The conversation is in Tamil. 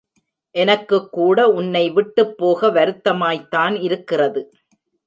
எனக்குக்கூட உன்னே விட்டுப் போக வருத்தமாய்த்தான் இருக்கிறது.